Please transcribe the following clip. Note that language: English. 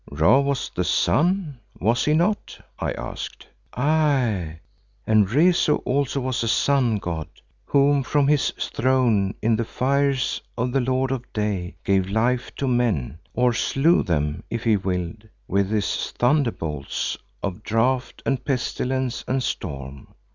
"Ra was the sun, was he not?" I asked. "Aye, and Rezu also was a sun god whom from his throne in the fires of the Lord of Day, gave life to men, or slew them if he willed with his thunderbolts of drought and pestilence and storm.